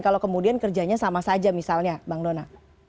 kalau kemudian kerjanya sama saja misalnya bang dona